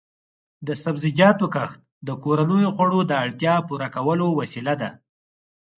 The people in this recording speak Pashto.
د سبزیجاتو کښت د کورنیو د خوړو د اړتیا پوره کولو وسیله ده.